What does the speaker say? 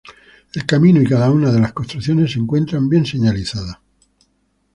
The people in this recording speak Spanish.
El camino y cada una de las construcciones se encuentran bien señalizados.